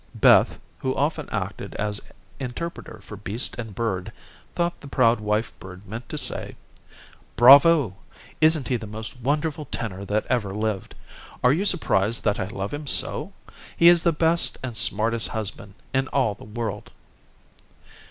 Beth, who often acted as interpreter for beast and bird, thought the proud wife bird meant to say: "Bravo. Isn't he the most wonderful tenor that ever lived? Are you surprised that I love him so? He is the best and smartest husband in all the world."